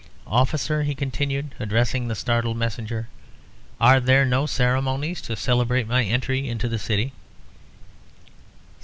Officer," he continued, addressing the startled messenger, "are there no ceremonies to celebrate my entry into the city?"